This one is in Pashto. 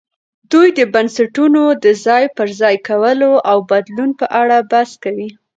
دوی د بنسټونو د ځای پر ځای کولو او بدلون په اړه بحث کوي.